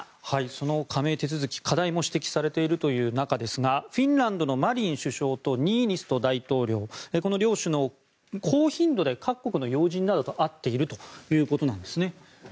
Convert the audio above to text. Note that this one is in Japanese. その加盟手続き課題も指摘されている中ですがフィンランドのマリン首相とニーニスト大統領この両首脳、高頻度で各国の要人らと会っているということです。